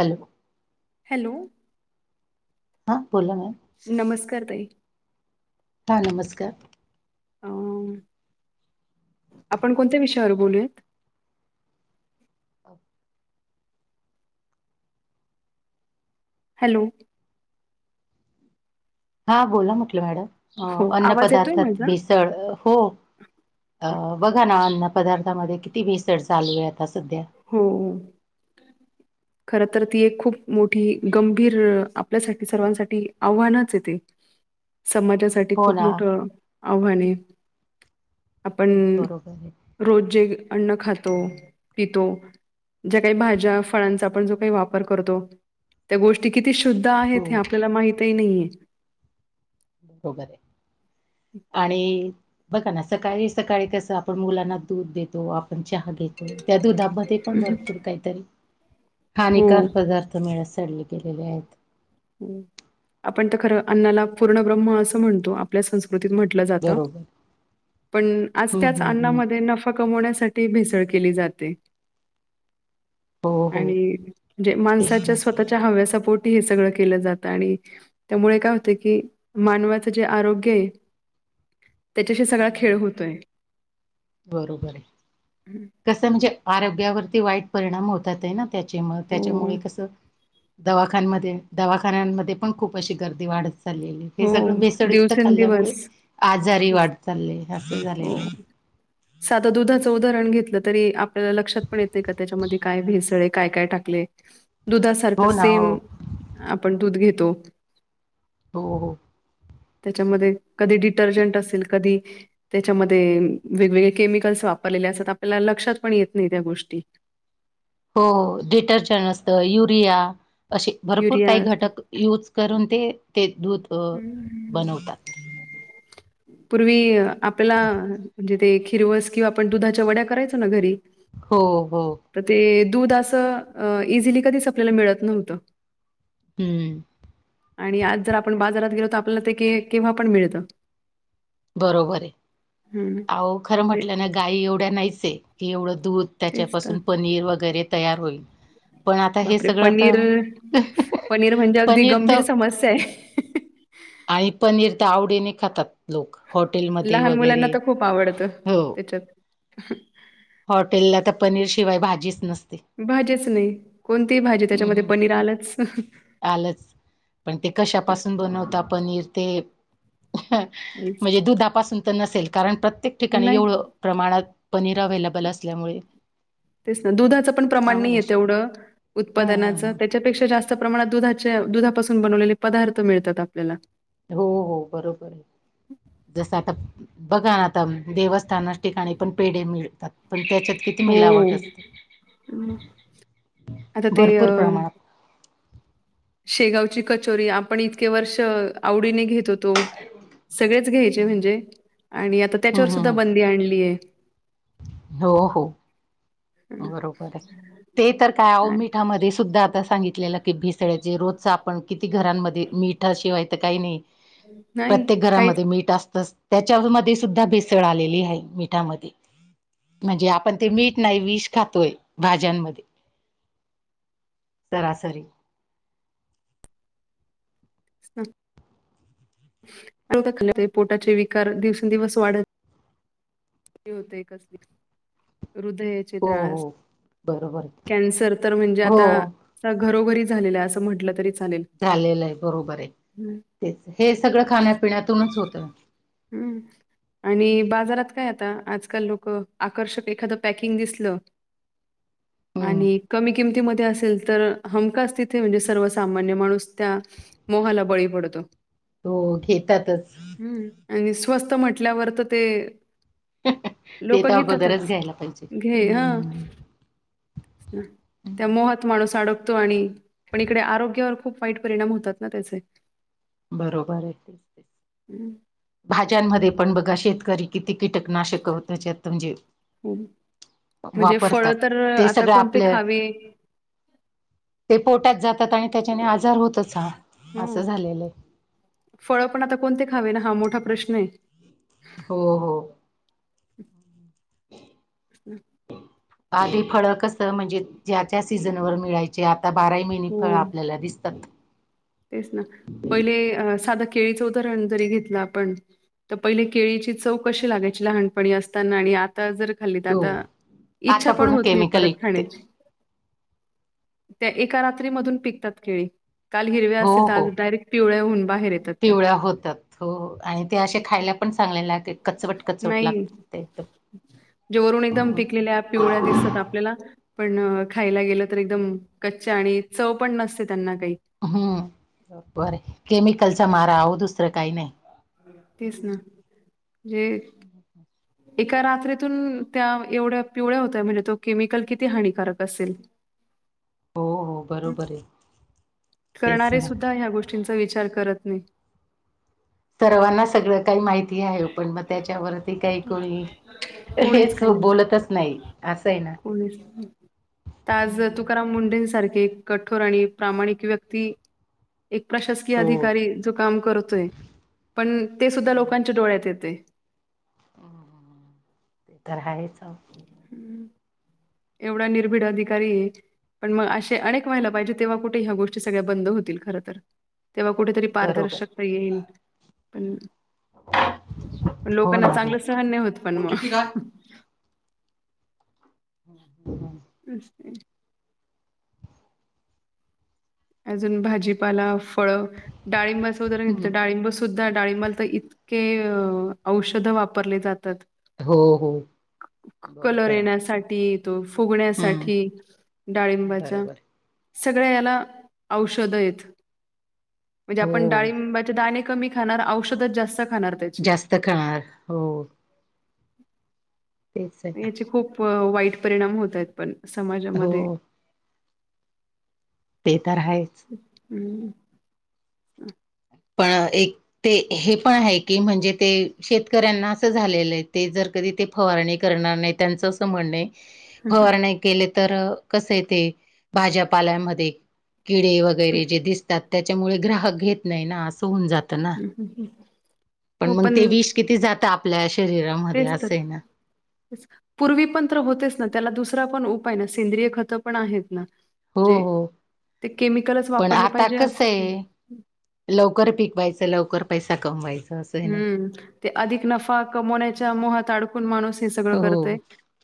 Hello. Hello. हा बोल ना. नमस्कार ताई. हा नमस्कार. अ.. आपण कोणत्या विषयावर बोलूयात. [inaudible] हॅलो. हा बोला म्हटलं मॅडम. अ.. हो अन्न आवाज येतोय पदार्थात माझा भेसळ हो, अ.. बघा ना अन्न पदार्थामध्ये किती भेसळ चालू ये आता. सध्या हो खरं. तर ती एक खूप मोठी गंभीर, आपल्यासाठी सर्वांसाठी आव्हानाच ये ते. समाजासाठी हो खूप ना मोठं आव्हान आहे. आपण बरोबर आहे रोज जे अन्न खातो. पितो, ज्या काही भाज्या फळांचा आपण जो काही वापर करतो त्या गोष्टी किती. किती शुद्ध हो आहेत हे आपल्याला माहितही नाहीये. बरोबर आहे, आणि बघा ना सकाळी सकाळी कसं आपण मुलांना दूध देतो. आपण चहा घेतो, त्या दुधामध्ये पण भरपूर काहीतरी. हानिकार हो पदार्थ [unintelligible] गेलेले आहेत. आपण तर खरं अन्नाला पूर्ण ब्रह्म असं म्हणतो, आपल्या संस्कृ ती म्हटलं जात, बरोबर पण आज हम्म त्याच हम्म अन्ना हम्म मध्ये नफा कमावण्यासाठी. साठी भेसळ केली जाते. हो हो आणिे जे, तेच ना माणसाच्या स्वतःच्या हव्यासपोटी हे सगळं. केलं जात आणि त्यामुळे काय होतंय की मानवाच जे आरोग्य आहे. त्याच्याशी सगळा खेळ हम्म होतोय बरोबर आहे कस म्हणजे आरोग्यावरती वाईट परिणाम होतात आहे ना त्याच्या म हो, त्याच्यामुळे कसं दवाखानमध्ये दवाखान्यांमध्ये पण खूप अशी गर्दी वाढत चा हे सगळं हो. भेसळयुक्त खाल्ल्यामुळे दिवसेंदिवस आजारी तेच. वाढ चालले असं हो. झालेलं साधं दुधाचं उदाहरण घेतलं तरी आपल्याला लक्षात पण येतेय का त्याच्यामध्ये काय भेसळ काय काय टाकलंय दुधासारख हो ना हो सेम आपण दूध घेतो हो हो त्याच्यामध्ये कधी डिटर्जंट असेल कधी त्याच्यामध्ये वेगवेगळे केमिकल् वापरलेल्या असतात आपल्याला लक्षात पण येत नाही त्या गोष्टी हो डिटर्जंट असतं युरिया असे भरपूर युरिया काही असतो. घटक यूज करून ते ते दूध हम्म. बनवतात पूर्वी आपल्याला म्हणजे ते खिरवस किंवा आपण दुधाच्या वड्या करायचो ना घरी हो हो तर ते दूध असं इझिली कधीच आपल्याला मिळत नव्हतं हम्म आणि आज जर आपण बाजारात गेलो तर आपल्याला ते के केव्हा पण मिळतं बरोबर आहे हम्म. आहे खरं म्हणजे म्हटल्या ना गायी एवढ्या नाहीच की एवढं दूध तेच तर त्याच्यापासून पनीर वगैरे तयार होईल पण आता हे बापरे सगळं आता पनीर पनीर म्हणजे अगदी पनीर तर गंभीर समस्या आहे आणि पनीर तर आवडीने खातात लोक हॉटेलमध्ये लहान मुलांना वगैरे तर खूप आवडतं हो त्याच्यात हॉटेलला तर पनीर शिवाय भाजीच नसते भाजीच नाही कोणतीही भाजी त्याच्यामध्ये पनीर आलंच आलाच पण ते कशापासून काहीच बनवता पनीर ते म्हणजे दुधापासून तर नसेल कारण प्रत्येक ठिकाणी नाही एवढं प्रमाणात पनीर अवे्लेबल असल्यामुळे तेच ना दुधाचं पण प्रमाण सांगू नाही य शकत तेवढं ह ह उत्पादनाचं ह त्याच्यापेक्षा जास्त प्रमाणात दुधा दुधापासून बनवलेले पदार्थ मिळतात आपल्याला हो हो बरोबर आहे जसं आता बघा ना आता देवस्थान ठिकाणी पण पेढ मिळतात पण त्याच्यात किती हो मिलावट असते हं. आता ते अ भरपूर प्रमाणात शेगावची कचोरी आपण इतके वर्ष आवडीने घेतो सगळेच घ्यायचे हम्म म्हणजे आणि आता त्याच्यावर सुद्धा हम्म बंदी आणलीय हो हो बरोबर आहे ते तर काय मिठामध्ये सुद्धा आता सांगितलेलं की भेसळीचे रोजच आपण किती घरांमध्ये मिठा शिवाय तर काही नाही नाही प्रत्येक काहीच घरामध्ये मीठ असत त्याच्या मध्ये सुद्धा भेसळ आलेली आहे मिठामध्ये म्हणजे आपण ते मीठ नाही विष खातोय भाज्यांमध्ये सरासरी [unintelligible] दखचे पोटाचे विकार दिवसेंदिवस वाढत होते कसली हृदयाचे हो त्रास हो बरोबर कॅन्सर तर म्हणजे हो आता घरोघरी झालेला असं म्हंटलं तरी चालेल झालेलं आहे बरोबर आहे तेच हे सगळं खाण्यापिण्यातूनच होतंय हम्म आणि बाजारात काय आता [inaudible] हम्म आणि कमी किमतीमध्ये असेल तर हमखास तिथे म्हणजे सर्वसामान्य माणूस त्या मोहाला बळी पडतो. हो घेतातच. आणि स्वस्त म्हटल्यावर तर ते, ते लोक तर अगोदरच घेतातच. घ्यायला पाहिजे. घे हा हम्म त्या मोहात माणूस अड- तो आणि पण इकडे आरोग्यावर खूप वाईट परिणाम होतात ना त्याचे. बरोबर आहे. ते ते भाज्यांमध्ये पण बघा शेतकरी किती? त कीटकनाशक हो त्याच्यात म्हणजे, म्हणजे फळ वापरतात. तर ते आता सगळ कोणते आपल्या खावे पोटात जातात आणि त्याच्याने आजार होतच हा असं झालेल आहे. फळ पण आता कोणते खावे ना हा मोठा प्रश्न आहे. हो हो. ह [inaudible] हम्म आधी फळ कस म्हणजे ज्या तत्या सीझनमध्ये मिळायचे. आता बाराही महिने हो फळ आपल्याला दिसतात. तेच ना पहिले साध केळीच उदाहरण जरी घेतले आपण पहिली केळीची चव कशी लागयची लहानपणी असताना आणि आता जर खाल्ली तर हो आता इच्छा आता पण पूर्ण होत नाही केमिकल परत युक्त आहे. खाण्याची. त्या एका रात्री मधून पिकतात केळी का ल हिरव्या असल हो हो डायरेक्ट पिवळ्या होऊ पिवळ्या होतात. हो आणि ते असे खायला पण चांगले.. कचवट कचवट नाही लागत एकदम. जे वरून एकदम पिकलेल्या पिवळ्या दिसत आपल्याला पण ण खायला गेल तर एकदम कच्च्या आणि चव पण नस हम्म ब बर केमिकलचा मारा हहो दुसर काही नाही. तेच ना म्हणजे ह् एका रात्रीतून त्या एवढ्या पिवळ्या होत्या म्हणजे तो केमिकल किती हानिकारक असेल, हम् हो हो बरोबर आहे. तेच करणारे ना सुुद्धा ह्या गोष्टींचा विचार करत नाही. सर्वांना सगळ काही माहिती आहे पण मग त्याच्यावरती काही कोणी कोणीच हेच. काही नाही. बोलतच नाही अस आहे ना, आज हम्म. तुकाराम मुंढें सारखे, एक कठोर आणि प्रामाणिक व्यक्ती एक प्रशासकीय हो अधिकारी जो काम करतोय पण ते सुद्धा लोकांच्या डोळ्यात येते. मम ते तर आहेच. अहो. हम्म. एवढा निर्भीड अधिकारी आहे. पण मग असे अनेक व्हायला पाहिजे तेव्हा कुठे ह्या गोष्टी सगळ्या बंद होतील खर तर, तेव्हा कुठेतरी बरोबर पारदर्शकता येईल पण, हो लोकांना ना हो चांगलं सहन नाही होत पण मग. ओटीपी काय हम ह ह.. [unintelligible] अजून भाजीपाला फळ डाळिंबाचा उदाहरण घेतल तर हम्म, डाळिंब सुद्धा डाळींबाला तर इतके औषध वापरले जातात. हो हो कलर बरोबर आहे येण्यासाठी त हम्म फुगण्यासाठी डाळिंबाच्या बरोबर सगळ्या याला औषध आहेत म्हणजे आपण हो डाळिंबाचे दाणे कमी खाणार औषधच जास्त खाणार त्याचे. जास्त खाणार हो. तेच आहे ना याचे खूप वाईट परिणाम होत आहेत पण हो समाजामध्ये. ते तर आहेच. ह ह. पण एक ते हे पण आहे की, म्हणजे ते शेतकऱ्यांना असं झालेलं आहे ते जर का ते फवारणी करणार नाही त्यांचं असं म्हणणे फवारणे केले तर कस य ते भाज्यापाल्यामध्ये किडे वगैरे जे दिसतात, त्याच्यामुळे ग्राहक घेत नाही ना आत. हून जात ना. पण मग ते विष किती जात आपल्या शरीरामध्ये तेच तर असे ना. पूर्वी पण तर होतेच ना त्याला दुसरा पण उपाय ना सेंद्रिय खतं पण आहेत ना. हो जे हो. ते केमिकलच पण वापरले आता पाहिजे कस असं की आहे, लवकर पिकवायच लवकर पैसा कमवायचा असं आहे ना हम्म ते अधिक नफा कमवण्याच्या मोहात अडकून माणूस हे सगळं हो करतय.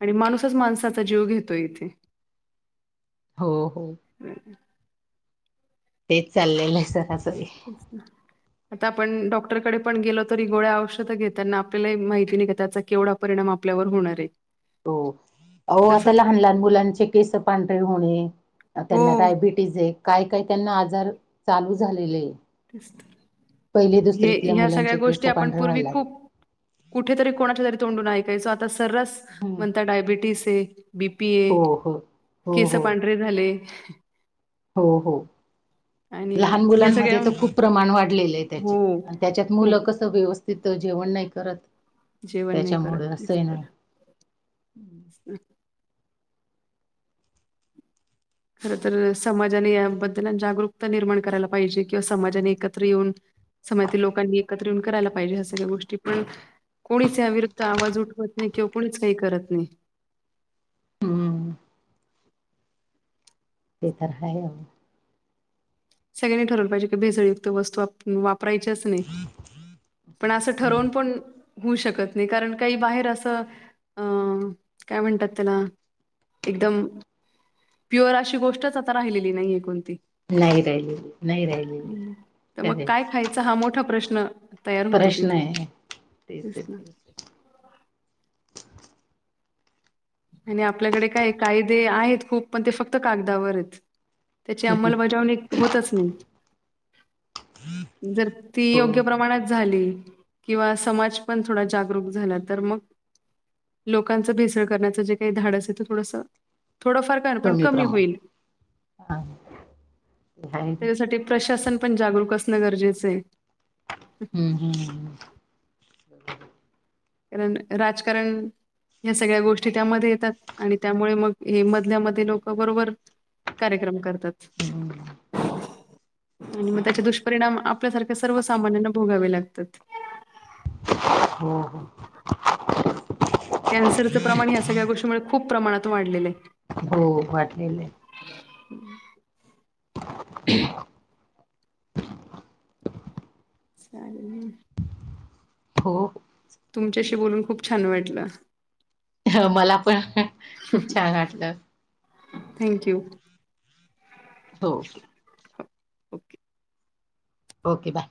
आणि माणूसच माणसाचा जीव घेतो इथे. हो हो. तेच चाललेलं आहे सरास. [unintelligible] आता आपण डॉक्टरकडे पण गेलो तरी गोळ्या औषधं घेताना आपल्याला माहिती नाही का त्याचा केवढा परिणाम आप ल्यावर होणार आहे. हो हो आता तसंच लहान लहान मुलांचे केस पांढरे होणे, हो त्यांना डायबिटीज आहे, काय काय त्यांना आजार चालू झालेले, [unintelligible] पहिली हे दुसरीतल्या ह्या सगळ्या मुलांचे केस गोष्टी आपण पांढरे पूर्वी व्हायला लागले खूप कुठेतरी कोणाच्या तरी तोंडून ऐक कायचो. आता सरास हम्म. म्हणतात डायबिटीज आहे. बीपी ए, हो हो हो केस हो पांढरे झाले, हो हो. आणि लहान ह्या मुलांमध्ये सगळ्या तर खूप प्रमाण वाढलेलं आहे. त्याचे हो त्याच्यात मुलं खूप कस व्यवस्थित तिथ जेवण नाही करत जेवण नाही करत त्याच्यामुळे तेच असही तर. ना खर तर समाजाने याबद्दल जागरूकता निर्माण करायला पाहिजे किंवा समाजाने एकत्र येऊन समजातल्या लोकांनी एकत्र येऊन करायला पाहिजे ह्या सगळ्या गोष्टी पण कोणीच याविरुद्ध आवाज उठवत नाही किंवा कोणीच काही करत नाही. हम्म [unintelligible] सगळे ठरवलं पाहिजे भेजळयुक्त वस्तू आपण वाप रायचच नाही. पण असं हम्म. ठरवून पण होऊ शकत नाही. कारण काही बाहेर असं अं काय म्हणतात त्याला एकदम प्युअर अशी गोष्टच आता राहिलेली नाहीये कोणती. नाही राहिलेली नाही राहिलेली तर मग खरे काय खायचा? हा मोठा प्रश्न तयार होतो प्रश्न तिथे आहे तेच ना. तेच आणि आपल्याकडे काय कायदे आहेत खूप पण ते फक्त कागदावरच त्याची अंमलबजावणी होतच नाही. जर ती योग्य हो प्रमाणात झाली किंवा समाज पण थोडा जागरूक झाला तर मग लोकांचा भेसळ त्यांचं जे काही धाडस आहे ते थोडस थोडंफार कर पण कमी होईल. हा ते आहे त्याच्यासाठी प्रशासन पण जागरूक असणं गरजेचं आहे. हम्म हम्म कारण राजकारण ह्या सगळ्या गोष्टी त्यामध्ये येतात आणि त्यामुळे मग हे मधल्या मध्ये लोक बरोबर कार्यक्रम करतात. हम्म आणि मग त्याचे दुष्परिणाम आपल्यासारख्या सर्व सामान्यांना भोगावे लागतात. हो कॅन्सरचं प्रमाण या सगळ्या गोष्टीमुळे खूप प्रमाणात वाढलेलं आहे. हो वाटलेलं आहे. [unintelligible] [inaudible] सानवी हो तुमच्याशी बोलून खूप छान वाटलं. हो मला पण खूप छान वाटलं. Thank you. हो ओके ओके बाय.